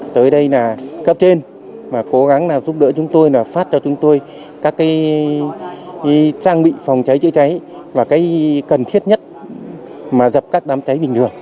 trang bị phòng cháy chữa cháy là cái cần thiết nhất mà dập các đám cháy bình thường